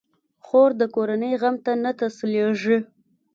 خور د کورنۍ غم ته نه تسلېږي.